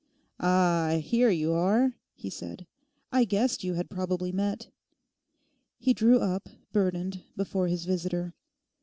'Ah, here you are,' he said. 'I guessed you had probably met.' He drew up, burdened, before his visitor.